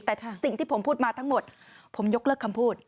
แต่สิ่งที่ผมพูดมาทั้งหมดผมยกเลิกคำพูด